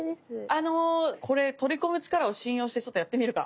あのこれ取り込む力を信用してちょっとやってみるか。